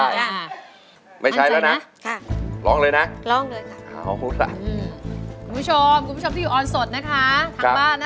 อยากได้ค่าหมดได้ตังค์เลย